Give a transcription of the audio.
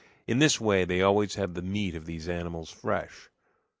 In this way they always have the meat of these animals fresh.